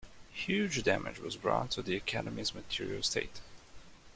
Huge damage was brought to the Academy's material state.